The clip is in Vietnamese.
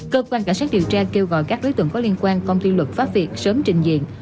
cơ quan cảnh sát điều tra kêu gọi các đối tượng có liên quan công ty luật pháp việt sớm trình diện